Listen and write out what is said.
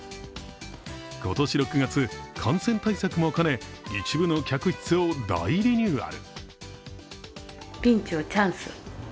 今年６月、感染対策も兼ね一部の客室を大リニューアル。